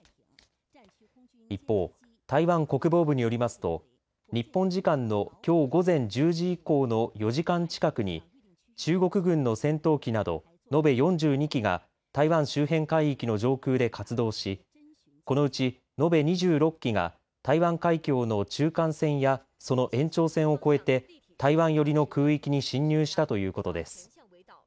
一方、台湾国防部によりますと日本時間のきょう午前１０時以降の４時間近くに中国軍の戦闘機など延べ４２機が台湾周辺海域の上空で活動しこのうち延べ２６機が台湾海峡の中間線やその延長線を越えて台湾寄りの空域に進入したということです。